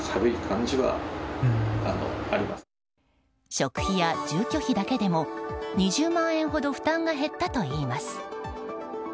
食費や住居費だけでも２０万円ほど負担が減ったといいます。